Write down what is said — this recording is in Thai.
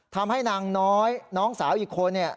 ทำให้นางน้อยน้องสาวอีกคนเนี่ย